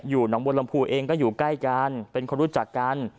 หนองบัวลำพูเองก็อยู่ใกล้กันเป็นคนรู้จักกัน